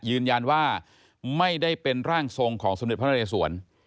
ยืนยันว่าไม่ได้เป็นร่างทรงของสมเด็จพระนเรสวน